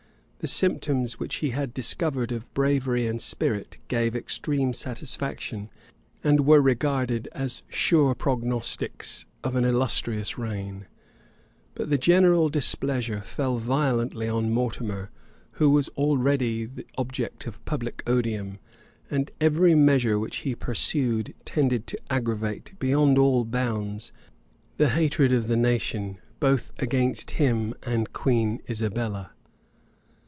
The symptoms which he had discovered of bravery and spirit gave extreme satisfaction, and were regarded as sure prognostics of an illustrious reign: but the general displeasure fell violently on Mortimer, who was already the object of public odium; and every measure which he pursued tended to aggravate, beyond all bounds, the hatred of the nation both against him and Queen Isabella.